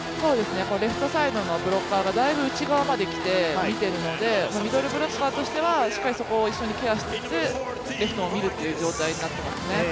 レフトサイドのブロッカーがだいぶ内側まで来て見ているので、ミドルブロッカーとしてはそこをケアしつつレフトを見る状態になっていますね。